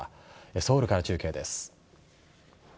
ソウルから中継です。